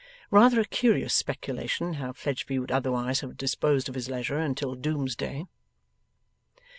Rather a curious speculation how Fledgeby would otherwise have disposed of his leisure until Doomsday.